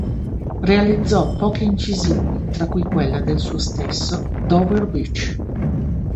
Realizzò poche incisioni tra cui quella del suo stesso "Dover Beach".